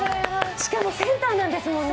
しかもセンターなんですもんね。